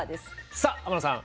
さあ天野さん